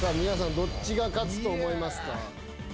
皆さんどっちが勝つと思いますか？